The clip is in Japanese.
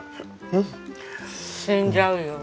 死んじゃうよ。